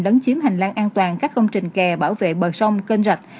lấn chiếm hành lang an toàn các công trình kè bảo vệ bờ sông kênh rạch